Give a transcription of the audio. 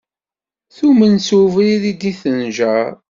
Tumen s ubrid i d-tenjer.